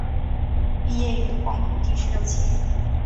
毕业于黄埔第十六期。